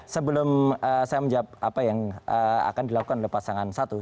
sebelum saya menjawab apa yang akan dilakukan oleh pasangan satu